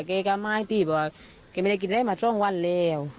เขาไม่ได้กินอะไรมาสองวันแล้ว